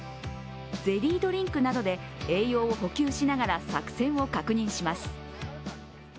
ゼリードリンクなどで栄養を補給しながら作戦を確認します。